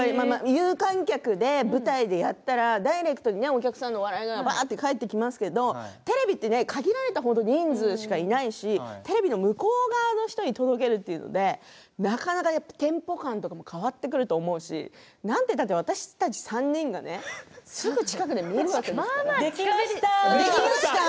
有観客で舞台でやったらダイレクトにお客さんの笑いが、返ってきますけど、テレビで限られた人数しかいないしテレビの向こう側の人に届けるというのでなかなかテンポ感とか変わってくると思うしなんてったって私たち３人がねすぐ近くで見るわけです。